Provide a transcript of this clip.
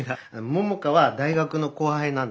桃香は大学の後輩なんだ。